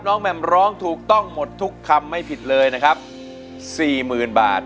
แม่มร้องถูกต้องหมดทุกคำไม่ผิดเลยนะครับสี่หมื่นบาท